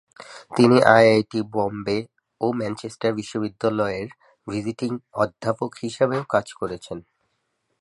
তিনি আইআইটি বোম্বে ও ম্যানচেস্টার বিশ্ববিদ্যালয়ের ভিজিটিং অধ্যাপক হিসাবেও কাজ করেছেন।